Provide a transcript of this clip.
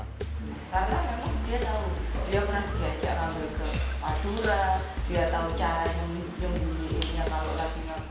dia tahu dia pernah diajak ambil ke padura dia tahu cara nyembunyi